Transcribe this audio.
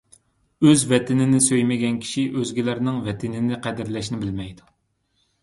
ئۆز ۋەتىنىنى سۆيمىگەن كىشى ئۆزگىلەرنىڭ ۋەتىنىنى قەدىرلەشنى بىلمەيدۇ.